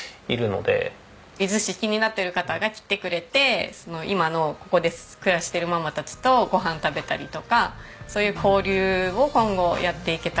伊豆市気になってる方が来てくれて今のここで暮らしてるママたちとご飯食べたりとかそういう交流を今後やっていけたらいいな。